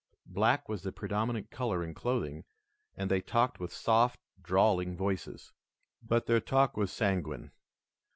Black was the predominant color in clothing, and they talked with soft, drawling voices. But their talk was sanguine.